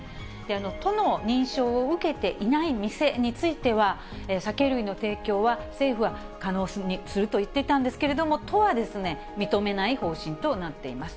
都の認証を受けていない店については、酒類の提供は政府は可能にするといっていたんですけれども、都は、認めない方針となっています。